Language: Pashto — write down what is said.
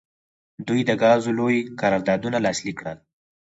دوی د ګازو لوی قراردادونه لاسلیک کړل.